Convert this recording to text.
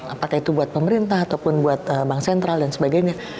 apakah itu buat pemerintah ataupun buat bank sentral dan sebagainya